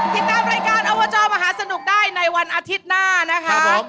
ติดตามรายการอบจมหาสนุกได้ในวันอาทิตย์หน้านะคะ